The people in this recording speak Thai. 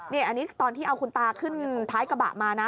นี่อันนี้ตอนที่เอาคุณตาขึ้นท้ายกระบะมานะ